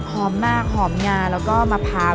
หอมมากหอมงาแล้วก็มะพร้าว